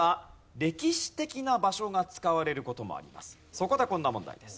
そこでこんな問題です。